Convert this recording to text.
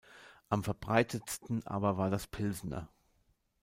Am verbreitetsten war aber das Pilsener.